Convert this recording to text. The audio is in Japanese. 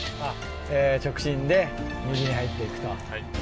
直進で右に入って行くと。